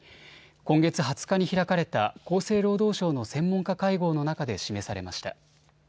今月２０日に開かれた厚生労働省の専門家会合の中で示されました。